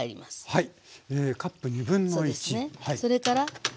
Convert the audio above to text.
はい。